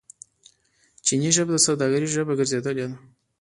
چیني ژبه د سوداګرۍ ژبه ګرځیدلې ده.